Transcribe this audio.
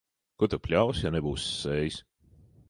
Ko tu pļausi, ja nebūsi sējis.